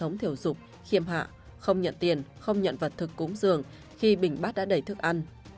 giúp khiêm hạ không nhận tiền không nhận vật thực cúng dường khi bình bát đã đầy thức ăn